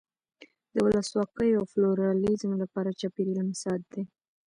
د ولسواکۍ او پلورالېزم لپاره چاپېریال مساعد دی.